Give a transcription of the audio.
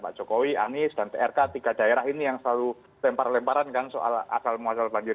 pak jokowi anies dan prk tiga daerah ini yang setuju